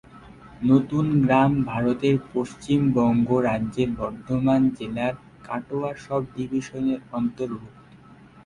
নতুন গ্রাম ভারতের পশ্চিমবঙ্গ রাজ্যের বর্ধমান জেলার কাটোয়া সব ডিভিশনের অন্তর্গত।